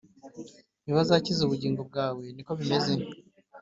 ntibazakiza ubugingo bwawe niko bimeze